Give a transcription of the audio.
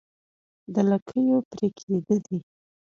د لکيو پرې کېده دي